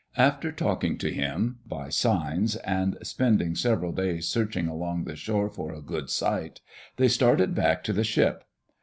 After talking to him, by signs, and spending sev eral days searching along the shore for a good site, they started back to the ship.